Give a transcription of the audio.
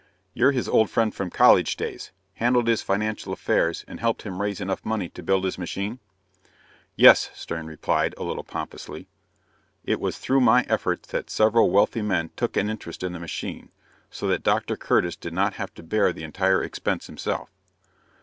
"You're his old friend from college days, handled his financial affairs, and helped him raise enough money to build his machine?" "Yes," Stern replied, a little pompously. "It was through my efforts that several wealthy men took an interest in the machine, so that Dr. Curtis did not have to bear the entire expense himself."